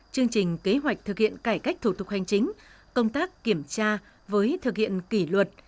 chương trình kế hoạch thực hiện cải cách thủ tục hành chính công tác kiểm tra với thực hiện kỷ luật